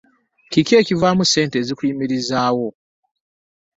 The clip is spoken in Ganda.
Kiki ekivamu ssente ezikuyimirizaawo?